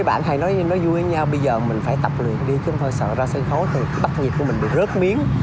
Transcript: các bạn hãy nói như nói vui với nhau bây giờ mình phải tập luyện đi chứ không phải sợ ra sân khấu thì bắt nhiệt của mình bị rớt miếng